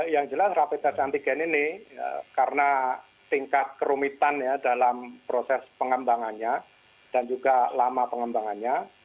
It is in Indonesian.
yang jelas rapid test antigen ini karena tingkat kerumitan ya dalam proses pengembangannya dan juga lama pengembangannya